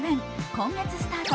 今月スタート